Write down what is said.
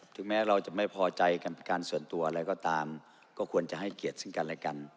ถึงแม้เราจะไม่พอใจกันเป็นการส่วนตัวอะไรก็ตามก็ควรจะให้เกียรติซึ่งกันและกัน